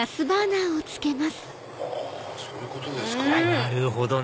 なるほどね！